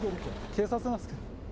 警察なんですけど。